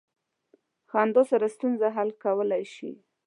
• خندا هره ستونزه حل کولی شي.